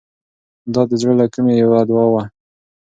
دا د زړه له کومې یوه دعا وه.